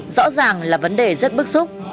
rõ ràng là vấn đề rất bức xúc